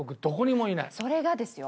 それがですよ